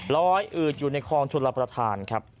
ลอยอืดอยู่ในคลองชลประธานครับ